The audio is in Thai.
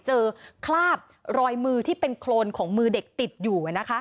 เจอคลาบรอยมือที่เป็นโครนของมือเด็กติดอยู่ไว้นะคะ